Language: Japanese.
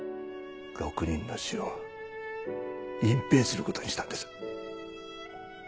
６人の死を隠ぺいすることにしたんです。